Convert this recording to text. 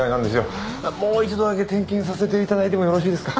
もう一度だけ点検させて頂いてもよろしいですか？